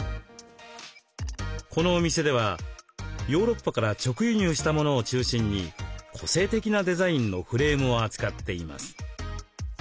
このお店ではヨーロッパから直輸入したものを中心に個性的なデザインのフレームを扱っています。